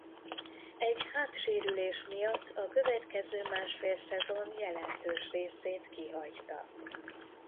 Egy hátsérülés miatt a következő másfél szezon jelentős részét kihagyta.